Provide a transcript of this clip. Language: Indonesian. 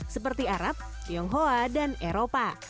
seperti arab tionghoa dan eropa